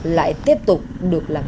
lại tiếp tục được làm rõ